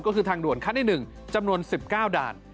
ก็คือทางด่วนขั้นที่๑จำนวน๑๙ด่าน